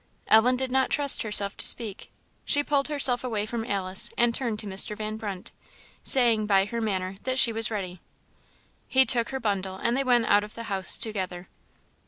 Ellen did not trust herself to speak. She pulled herself away from Alice, and turned to Mr. Van Brunt, saying, by her manner, that she was ready. He took her bundle, and they went out of the house together.